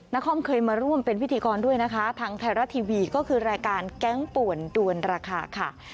คอมเคยมาร่วมเป็นพิธีกรด้วยนะคะทางไทยรัฐทีวีก็คือรายการแก๊งป่วนดวนราคาค่ะ